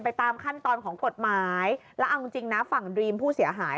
ตามขั้นตอนของกฎหมายแล้วเอาจริงจริงนะฝั่งดรีมผู้เสียหาย